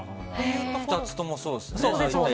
２つとも、そうですもんね。